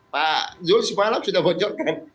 pak zul semalam sudah bocor kan